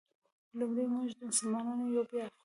لومړی مونږ مسلمانان یو بیا افغانان.